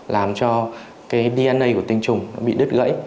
làm cho dna của tinh trùng bị đứt gãy